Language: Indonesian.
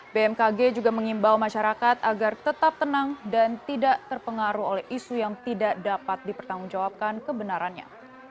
bmkg juga mengimbau masyarakat agar tetap tenang dan tidak terpengaruh oleh isu yang tidak dapat dipertanggungjawabkan kebenarannya